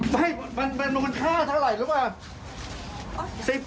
แต่มันค่าเท่าไหร่หรือเปล่า